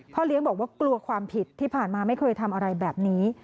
เลี้ยงบอกว่ากลัวความผิดที่ผ่านมาไม่เคยทำอะไรแบบนี้